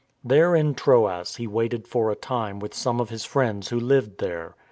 There in Troas he waited for a time with some of his friends who lived there.